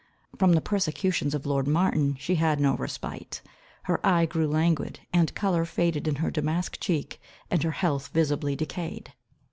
From the persecutions of lord Martin she had no respite. Her eye grew languid, the colour faded in her damask cheek, and her health visibly decayed.